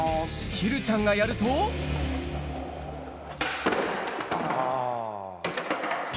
ひるちゃんがやるとあ。